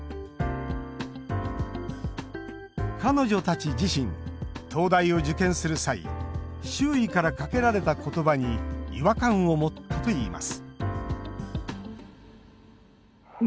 彼女たち自身、東大を受験する際周囲からかけられたことばに違和感を持ったといいます